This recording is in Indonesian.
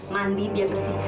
mandi biar bersih